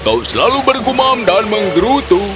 kau selalu bergumam dan menggerutu